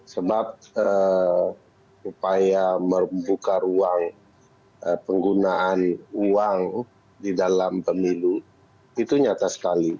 sebab upaya membuka ruang penggunaan uang di dalam pemilu itu nyata sekali